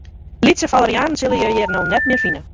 Lytse falerianen sille je hjir no net mear fine.